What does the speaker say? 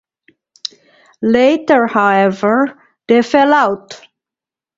Later, however, they fell out.